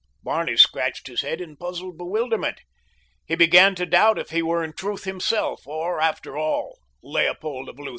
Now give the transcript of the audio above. Barney scratched his head in puzzled bewilderment. He began to doubt if he were in truth himself, or, after all, Leopold of Lutha.